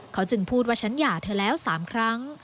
เขาจึงพูดว่าฉันหย่าเธอแล้ว๓ครั้ง